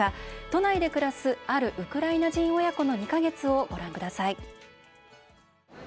都内で暮らすあるウクライナ人親子の２か月をご覧ください。